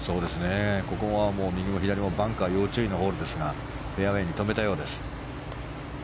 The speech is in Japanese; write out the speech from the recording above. ここは右も左もバンカー要注意のホールですがフェアウェーに止めたようです。